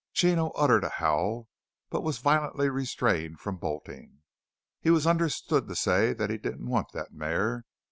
Chino uttered a howl, but was violently restrained from bolting. He was understood to say that he didn't want that mare.